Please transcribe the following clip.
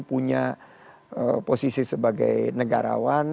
punya posisi sebagai negarawan